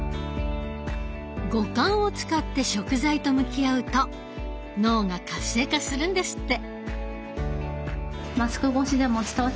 五感を使って食材と向き合うと脳が活性化するんですって。